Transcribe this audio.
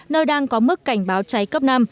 nơi đang có mức cảnh báo cháy cấp năm